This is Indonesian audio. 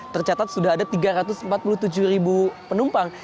tercatat sudah ada tiga ratus empat puluh tujuh ribu penumpang